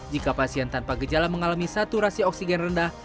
jika pasien tanpa gejala mengalami saturasi oksigen rendah